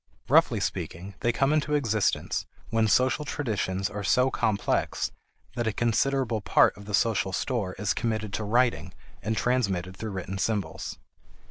Roughly speaking, they come into existence when social traditions are so complex that a considerable part of the social store is committed to writing and transmitted through written symbols.